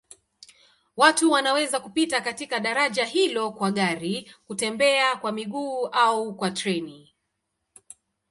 Watu wanaweza kupita katika daraja hilo kwa gari, kutembea kwa miguu au kwa treni.